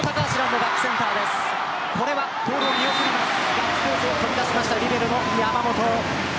ガッツポーズ飛び出しました、リベロの山本。